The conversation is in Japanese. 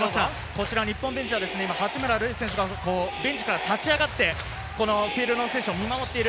日本ベンチは八村塁選手がベンチから立ち上がって、フィールドの選手を見守っている。